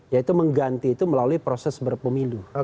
yaitu mengganti itu melalui proses berpemilu